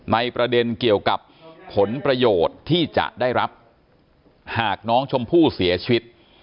ประเด็นเกี่ยวกับผลประโยชน์ที่จะได้รับหากน้องชมพู่เสียชีวิต